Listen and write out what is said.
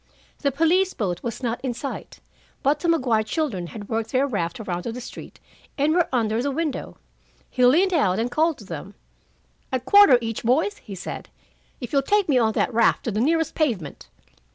The police boat was not in sight, but the Maguire children had worked their raft around to the street and were under the window. He leaned out and called to them. "A quarter each, boys," he said, "if you'll take me on that raft to the nearest pavement."